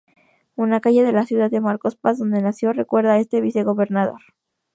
Una calle de la ciudad de Marcos Paz, donde nació, recuerda a este vicegobernador.